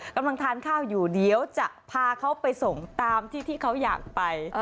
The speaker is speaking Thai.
กำลังทานข้าวอยู่เดี๋ยวจะพาเขาไปส่งตามที่ที่เขาอยากไป